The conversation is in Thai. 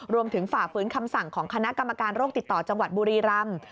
ฝ่าฝืนคำสั่งของคณะกรรมการโรคติดต่อจังหวัดบุรีรำ